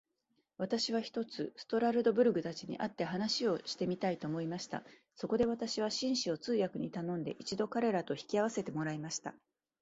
私は、ひとつストラルドブラグたちに会って話してみたいと思いました。そこで私は、紳士を通訳に頼んで、一度彼等と引き合せてもらいました。